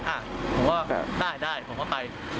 ผมก็ได้ผมก็ไป